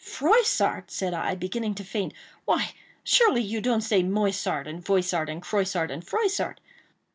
"Froissart!" said I, beginning to faint, "why, surely you don't say Moissart, and Voissart, and Croissart, and Froissart?"